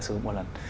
sử dụng một lần